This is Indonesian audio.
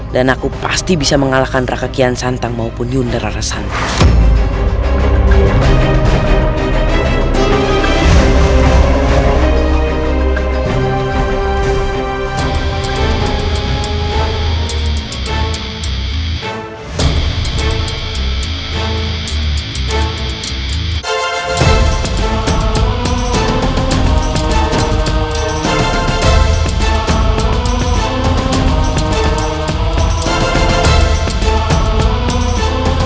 dan aku pasti bisa mengalahkan raka kian santang maupun yundara rasantan